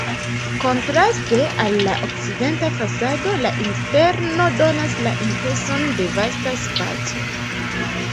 Kontraste al la okcidenta fasado la interno donas la impreson de vasta spaco.